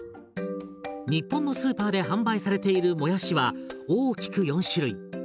日本のスーパーで販売されているもやしは大きく４種類。